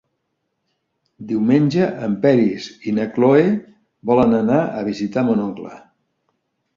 Diumenge en Peris i na Cloè volen anar a visitar mon oncle.